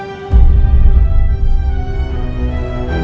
supaya bayi itu hidup dengan layak